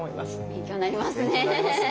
勉強になりますね。